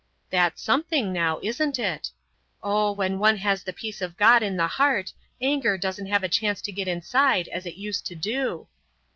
"That's something, now isn't it? Oh, when one has the peace of God in the heart, anger doesn't have a chance to get inside as it used to do."